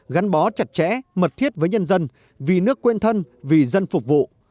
gắn bó chặt chẽ mật thiết với nhân dân vì nước quên thân vì dân phục vụ